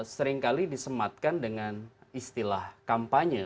seringkali disematkan dengan istilah kampanye